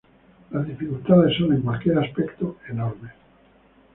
Las dificultades son en cualquier aspecto enormes.